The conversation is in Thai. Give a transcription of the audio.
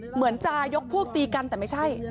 เหมือนจะยกพวกตีกันแต่ไม่ใช่